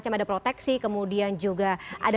cuma ada proteksi kemudian juga ada